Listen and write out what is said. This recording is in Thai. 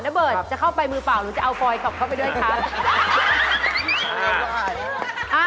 กะเบิร์ดจะเข้าไปมือเปล่าหรือจะเอาปลอยต่อไปด้วยคะ